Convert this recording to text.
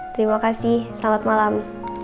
terima kasih selamat malam